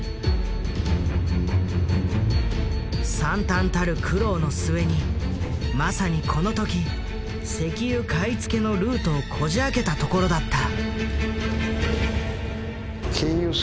惨憺たる苦労の末にまさにこの時石油買い付けのルートをこじあけたところだった。